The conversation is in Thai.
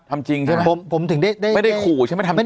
ทำจริงใช่ไหมผมถึงได้ไม่ได้ขู่ใช่ไหมทำจริง